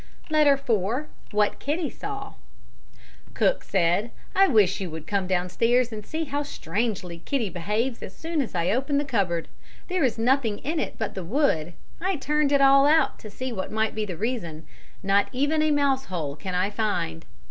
Letter 4 What Kitty saw Cook said, "I wish you would come downstairs and see how strangely Kitty behaves as soon as I open the cupboard. There is nothing in it but the wood; I turned it all out to see what might be the reason not even a mousehole can I find."